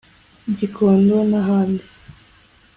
Gikondo n'ahandi